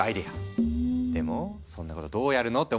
でもそんなことどうやるの？って思うでしょ？